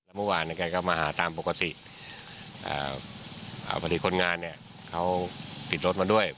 เมื่อวานแกก็มาหาตามปกติพอดีคนงานเนี่ยเขาปิดรถมาด้วย